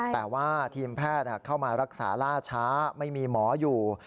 แต่ว่าทีมแพทย์เข้ามารักษาล่าช้าไม่มีหมออยู่